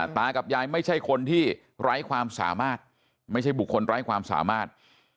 ตากับยายไม่ใช่คนที่ไร้ความสามารถไม่ใช่บุคคลไร้ความสามารถ